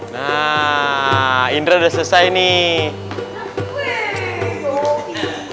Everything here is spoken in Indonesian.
nah indra sudah selesai nih